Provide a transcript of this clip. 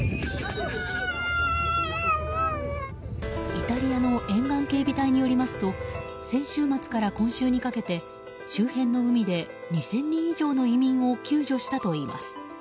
イタリアの沿岸警備隊によりますと先週末から今週にかけて周辺の海で２０００人以上の移民を救助したといいます。